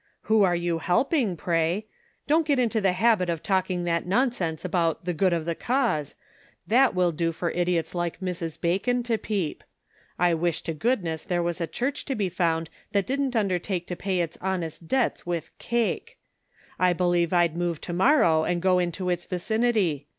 " Who are you helping, pray? Don't get into the habit of talking that nonsense about 'the good of the cause,' That will do for idiots like Mrs. Bacon to peep. I wish to goodness there was a church to be found that didn't undertake to pay its honest debts with cake ! I believe I'd move to morrow and go into its vicinity.